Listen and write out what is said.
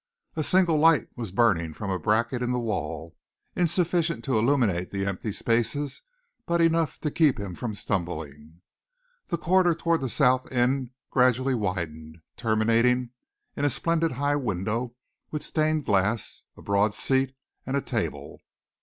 A single light was burning from a bracket in the wall, insufficient to illuminate the empty spaces, but enough to keep him from stumbling. The corridor towards the south end gradually widened, terminating in a splendid high window with stained glass, a broad seat, and a table.